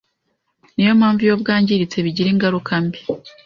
niyo mpamvu iyo bwangiritse bigira ingaruka mbi